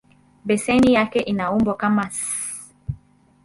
Beseni yake ina umbo kama "S".